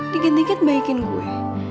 dikit dikit baikin gue